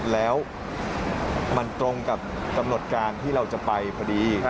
แล้วมันตรงกับกำหนดการที่เราจะไปพอดี